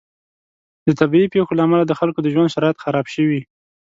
د طبعي پیښو له امله د خلکو د ژوند شرایط خراب شوي.